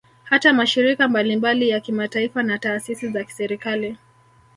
Hata mashirika mbalimbali ya kimataifa na taasisi za kiserikali